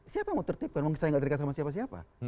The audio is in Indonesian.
siapa yang mau tertipkan saya nggak terikat sama siapa siapa